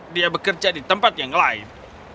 dia bekerja di tempat yang lain